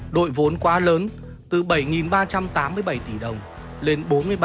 đội vốn quá lớn từ bảy ba trăm tám mươi bảy tỷ đồng lên bốn mươi ba